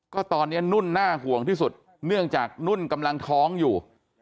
ก็ตอนนี้นุ่นน่าห่วงที่สุดเนื่องจากนุ่นกำลังท้องอยู่